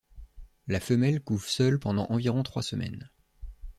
La femelle couve seule pendant environ trois semaines.